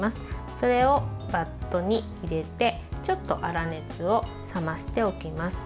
それをバットに入れてちょっと粗熱を冷ましておきます。